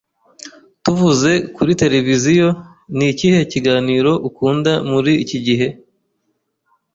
Tuvuze kuri tereviziyo, ni ikihe kiganiro ukunda muri iki gihe?